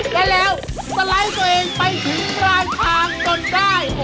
และแล้วสไลด์ตัวเองไปถึงปลายทางจนได้